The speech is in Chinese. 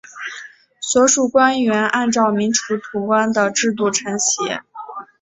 所属官员按照明朝土官的制度承袭。